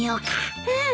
うん。